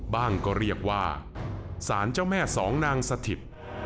ก็เรียกว่าสารเจ้าแม่สองนางสถิต